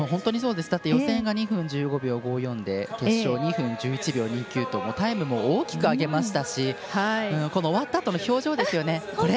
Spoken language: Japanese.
予選が２分１５秒５４で決勝２分１１秒２９とタイムも大きく上げましたし終わったあとの表情ですよね。